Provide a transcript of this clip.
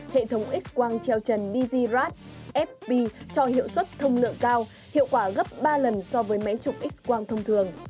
hệ thống x quang treo trần dzrad fp cho hiệu suất thông lượng cao hiệu quả gấp ba lần so với mấy chục x quang thông thường